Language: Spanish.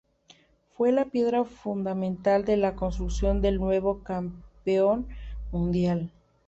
Fue la piedra fundamental de la construcción del nuevo campeón mundial.